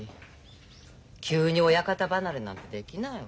急に親方離れなんてできないわ。